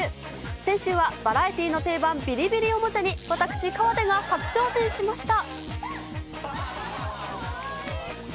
先週はバラエティーの定番、ビリビリおもちゃに私、河出が初挑戦しました。